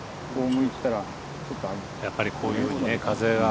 やっぱりこういうふうに風が。